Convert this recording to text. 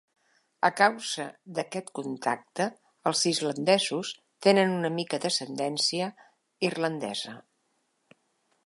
A causa d'aquest contacte els islandesos tenen una mica d'ascendència irlandesa.